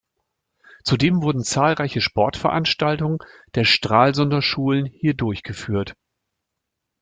Zudem wurden zahlreiche Sportveranstaltungen der Stralsunder Schulen hier durchgeführt.